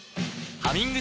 「ハミング」